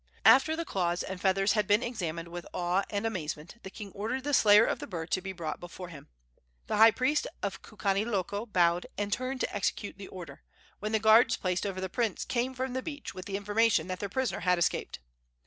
After the claws and feathers had been examined with awe and amazement, the king ordered the slayer of the bird to be brought before him. The high priest of Kukaniloko bowed and turned to execute the order, when the guards placed over the prince came from the beach with the information that their prisoner had escaped.